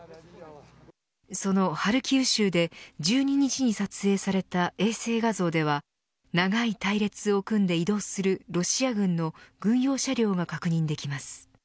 そのハルキウ州で１２日に撮影された衛星画像では長い隊列を組んで移動するロシア軍の軍用車両が確認できます。